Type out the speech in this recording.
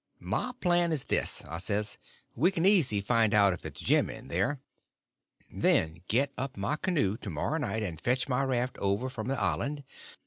"My plan is this," I says. "We can easy find out if it's Jim in there. Then get up my canoe to morrow night, and fetch my raft over from the island.